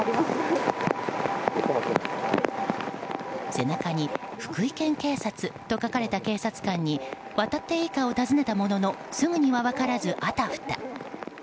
背中に福井県警察と書かれた警察官に渡っていいかを尋ねたもののすぐには分からず、あたふた。